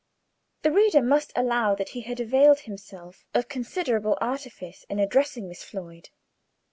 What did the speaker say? The reader must allow that he had availed himself of considerable artifice in addressing Miss Floyd.